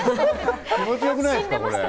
気持ちよくないですか？